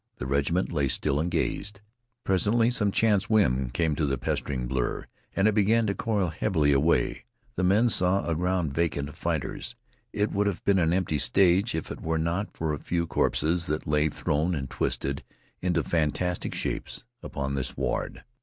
The regiment lay still and gazed. Presently some chance whim came to the pestering blur, and it began to coil heavily away. The men saw a ground vacant of fighters. It would have been an empty stage if it were not for a few corpses that lay thrown and twisted into fantastic shapes upon the sward.